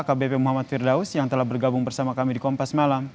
akbp muhammad firdaus yang telah bergabung bersama kami di kompas malam